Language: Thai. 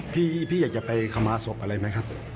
พี่อยากจะไปขมาศพอะไรไหมครับ